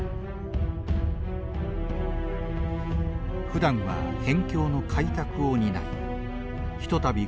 ふだんは辺境の開拓を担いひとたび